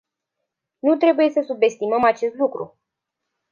Nu trebuie să subestimăm acest lucru.